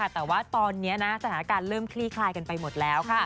แต่ว่าตอนนี้สถานการณ์เริ่มคลี่คลายกันไปหมดแล้วค่ะ